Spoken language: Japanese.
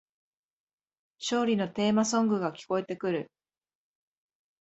勝利のテーマソングが聞こえてくる